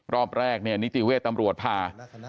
รอบแรกนิติเวทย์ตำรวจผ่า